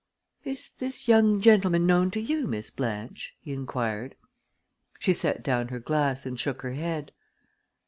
"Is this young gentleman known to you, Miss Blanche?" he inquired. She set down her glass and shook her head.